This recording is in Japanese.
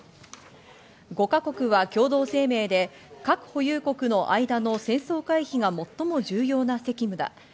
５か国は共同声明で、核保有国の間の戦争回避が最も重要な責務だ。